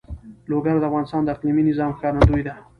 لوگر د افغانستان د اقلیمي نظام ښکارندوی ده.